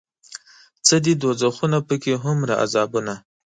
څه دي دوزخونه پکې هومره عذابونه